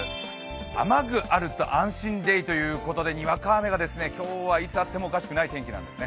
雨具あると安心ＤＡＹということで、にわか雨が今日はいつあってもおかしくない天気なんです。